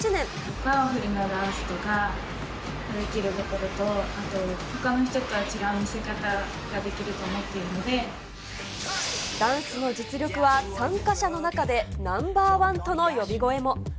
パワフルなダンスとかできるところと、あと、ほかの人とは違う見せ方ができると思っているのダンスの実力は、参加者の中でナンバー１との呼び声も。